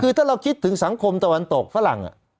คือถ้าเราคิดถึงสังคมตะวันตกฝรั่ง